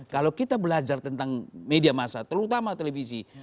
kalau kita belajar tentang media masa terutama televisi